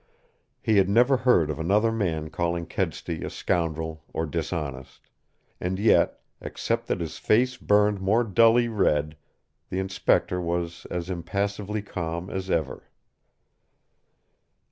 He had never heard of another man calling Kedsty a scoundrel or dishonest. And yet, except that his faced burned more dully red, the Inspector was as impassively calm as ever.